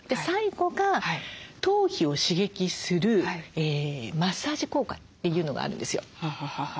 最後が頭皮を刺激するマッサージ効果というのがあるんですよ。